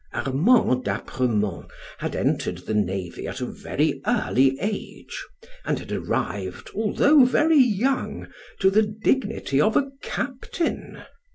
Armand d'Apremont had entered the navy at a very early age, and had arrived, although very young, to the dignity of a captain.